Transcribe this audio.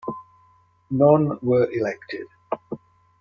None were elected.